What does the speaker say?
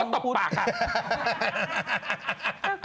โอ้ห่วตบปากค่ะ